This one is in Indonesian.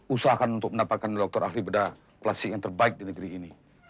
usahakan untuk mendapatkan dokter ahli bedah plastik yang terbaik di negeri ini